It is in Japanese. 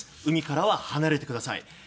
海からは離れてください。